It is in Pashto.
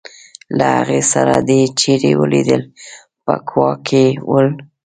له هغې سره دي چېرې ولیدل په کوا کې ول.